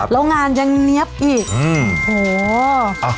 แล้วงานยังเนี๊ยบอีก